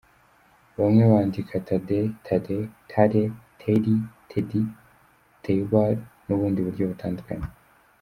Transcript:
Bamwe bandika, Thadde, Thade, Thadee, Theddy, Thedy, Thybaud n’ubundi buryo butandukanye.